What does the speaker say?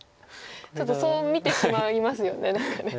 ちょっとそう見てしまいますよね何か。